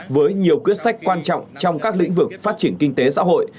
với nhiều quyết sách quan trọng trong các lĩnh vực phát triển kinh tế xã hội